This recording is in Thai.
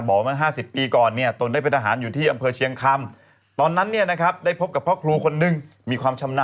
นั่นดิตายตายไหมอันนี้อะไรอันนี้อะไร๑๐๐๙